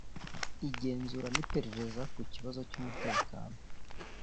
igenzura n’iperereza ku kibazo cy’umutekano